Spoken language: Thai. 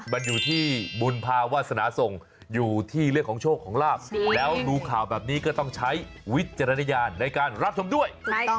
มันอยู่ที่บุญภาวาสนาส่งอยู่ที่เรื่องของโชคของลาบแล้วดูข่าวแบบนี้ก็ต้องใช้วิจารณญาณในการรับชมด้วย